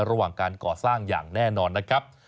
ระหว่างการก่อสร้างอย่างแน่นอนนะครับ